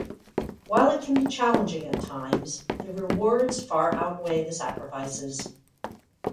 While it can be challenging at times, the rewards far outweigh the sacrifices.